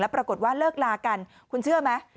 ปรากฏว่าเลิกลากันคุณเชื่อไหม